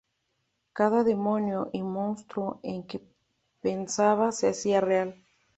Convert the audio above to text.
Cada demonio y monstruo en que pensaba se hacía real.